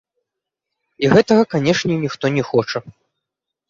І гэтага, канешне, ніхто не хоча.